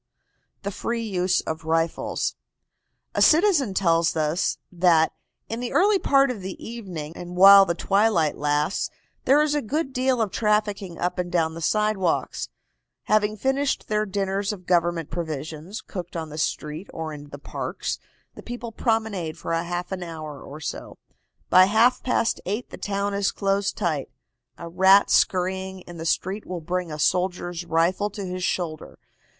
THE FREE USE OF RIFLES. A citizen tells us that "in the early part of the evening, and while the twilight lasts, there is a good deal of trafficking up and down the sidewalks. Having finished their dinners of government provisions, cooked on the street or in the parks, the people promenade for half an hour or so. By half past eight the town is closed tight. A rat scurrying in the street will bring a soldier's rifle to his shoulder.